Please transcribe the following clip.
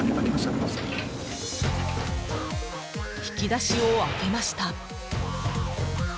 引き出しを開けました。